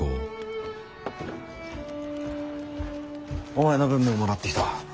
おお！お前の分ももらってきた。